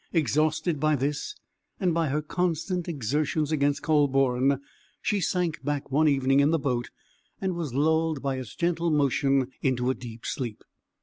Exhausted by this, and by her constant exertions against Kühleborn, she sank back one evening in the boat, and was lulled by its gentle motion into a deep sleep.